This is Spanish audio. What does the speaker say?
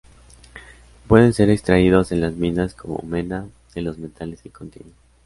Pueden ser extraídos en las minas como mena de los metales que contienen.